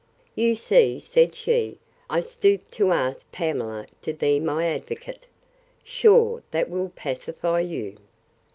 You see, said she, I stoop to ask Pamela to be my advocate. Sure that will pacify you!